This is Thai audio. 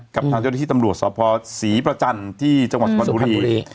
กับทางเจ้าหน้าที่ตำรวจสภศรีประจันทร์ที่จังหวัดสุพรรณบุรี